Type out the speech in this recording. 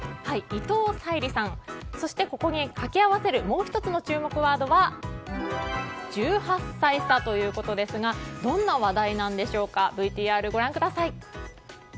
伊藤沙莉さんそしてここに掛け合わせるもう１つの注目ワードは１８歳差ということですがどんな話題なんでしょうかＶＴＲご覧ください。